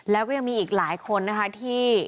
แล้วก็ยังมีอีกหลายคนนะคะที่